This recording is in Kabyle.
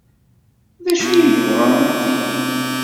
D acu ay yebɣa ad t-yeg?